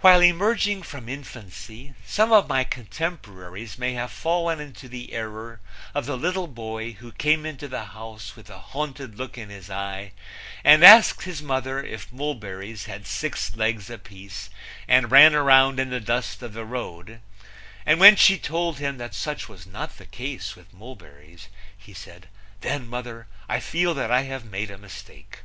While emerging from infancy some of my contemporaries may have fallen into the error of the little boy who came into the house with a haunted look in his eye and asked his mother if mulberries had six legs apiece and ran round in the dust of the road, and when she told him that such was not the case with mulberries he said: "Then, mother, I feel that I have made a mistake."